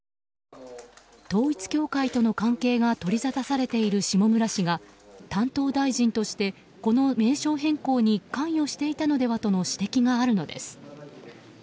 統一教会との関係が取りざたされている下村氏が担当大臣として、この名称変更に関与していたのではとの指摘があるのです。